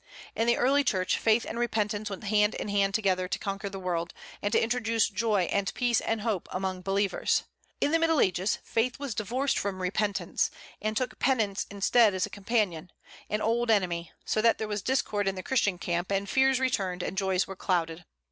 In the early Church, faith and repentance went hand in hand together to conquer the world, and to introduce joy and peace and hope among believers. In the Middle Ages, faith was divorced from repentance, and took penance instead as a companion, an old enemy; so that there was discord in the Christian camp, and fears returned, and joys were clouded.